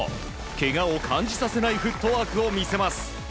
けがを感じさせないフットワークを見せます。